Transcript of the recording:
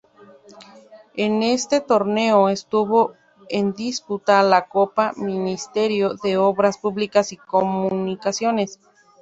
En este torneo estuvo en disputa la Copa Ministerio de Obras Públicas y Comunicaciones.